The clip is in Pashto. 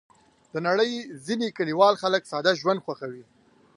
د نړۍ ځینې کلیوال خلک ساده ژوند خوښوي.